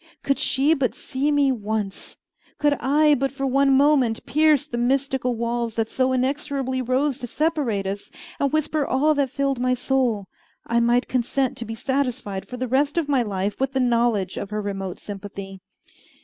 Could she but see me once! Could I for one moment pierce the mystical walls that so inexorably rose to separate us, and whisper all that filled my soul, I might consent to be satisfied for the rest of my life with the knowledge of her remote sympathy.